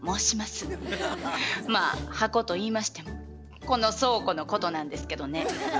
まあ箱といいましてもこの倉庫のことなんですけどね。